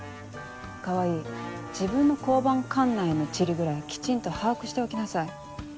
川合自分の交番管内の地理ぐらいきちんと把握しておきなさい。